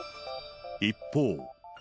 一方。